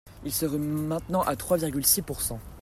Il serait maintenant à trois virgule six pourcent.